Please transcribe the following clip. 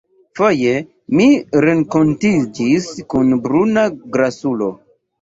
Foje mi renkontiĝis kun bruna grasulo.